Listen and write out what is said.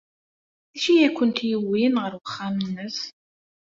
D acu ay kent-yewwin ɣer uxxam-nnes?